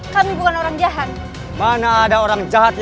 kami bukan orang jahat